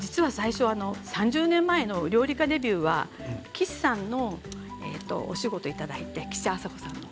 ３０年前の料理家デビューは岸さんのお仕事をいただいて岸朝子さんの。